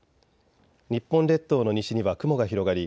日本列島の西には雲が広がり